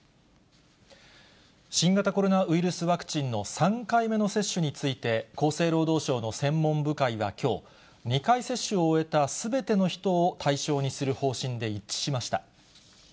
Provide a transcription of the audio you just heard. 新型コロナウイルスワクチンの３回目の接種について、厚生労働省の専門部会はきょう、２回接種を終えたすべての人を対象にする方針で一致しました。